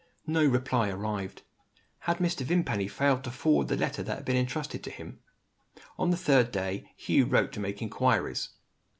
No reply arrived. Had Mr. Vimpany failed to forward the letter that had been entrusted to him? On the third day, Hugh wrote to make inquiries.